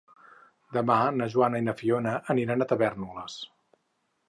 Demà na Joana i na Fiona aniran a Tavèrnoles.